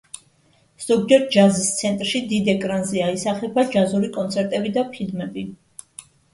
ზოგჯერ ჯაზის ცენტრში დიდ ეკრანზე აისახება ჯაზური კონცერტები და ფილმები.